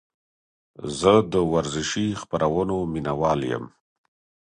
زه د ورزشي خپرونو مینهوال یم.